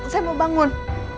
saya mau bangun